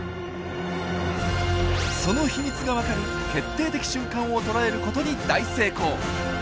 その秘密がわかる決定的瞬間を捉えることに大成功！